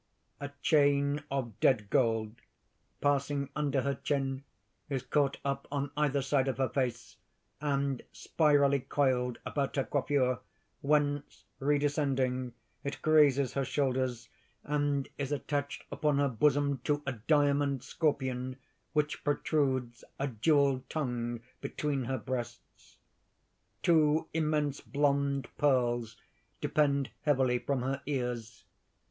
_ _A chain of dead gold, passing under her chin, is caught up on either side of her face, and spirally coiled about her coiffure, whence, redescending, it grazes her shoulders and is attached upon her bosom to a diamond scorpion, which protrudes a jewelled tongue between her breasts. Two immense blond pearls depend heavily from her ears.